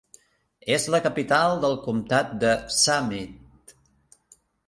És la capital del comtat de Summit.